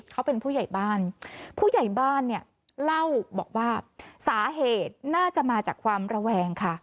เขาเป็นผู้ใหญ่บ้านผู้ใหญ่บ้านเนี่ยเล่าบอกว่าสาเหตุน่าจะมาจากความระแวงค่ะ